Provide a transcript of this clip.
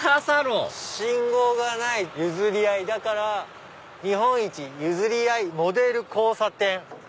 信号がない譲り合いだから「日本一ゆずり合いモデル交差点」。